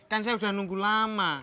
kan saya sudah nunggu lama